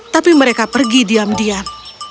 tapi mereka pergi diam diam